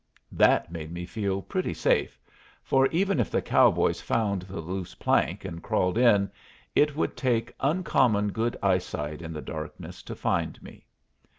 That made me feel pretty safe, for, even if the cowboys found the loose plank and crawled in, it would take uncommon good eyesight, in the darkness, to find me.